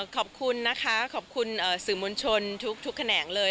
ขอบคุณนะคะขอบคุณสื่อมวลชนทุกแขนงเลย